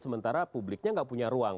sementara publiknya nggak punya ruang